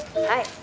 はい。